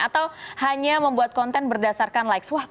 atau hanya membuat konten berdasarkan likes